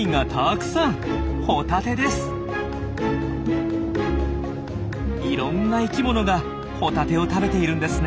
いろんな生きものがホタテを食べているんですね。